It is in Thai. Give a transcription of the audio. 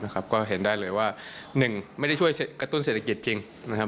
ก็เห็นได้เลยว่า๑ไม่ได้ช่วยกระตุ้นเศรษฐกิจจริงนะครับ